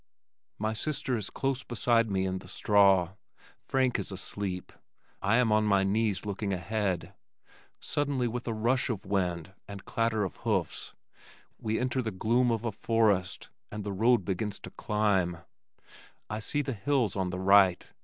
My sister is close beside me in the straw. Frank is asleep. I am on my knees looking ahead. Suddenly with rush of wind and clatter of hoofs, we enter the gloom of a forest and the road begins to climb. I see the hills on the right.